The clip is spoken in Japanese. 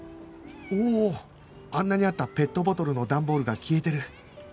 おあんなにあったペットボトルの段ボールが消えてる